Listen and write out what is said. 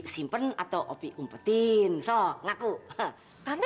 sampai jumpa di video selanjutnya